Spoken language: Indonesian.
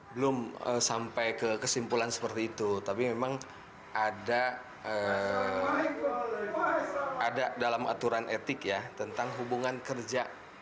belum sampai ke kesimpulan seperti itu tapi memang ada dalam aturan etik ya tentang hubungan kerja